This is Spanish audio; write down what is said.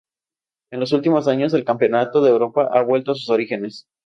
En los últimos años el Campeonato de Europa ha vuelto a sus orígenes.